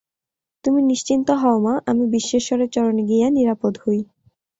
তুমি নিশ্চিন্ত হও মা, আমি বিশ্বেশ্বরের চরণে গিয়া নিরাপদ হই।